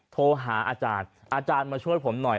โทรหาอาจารย์อาจารย์มาช่วยผมหน่อย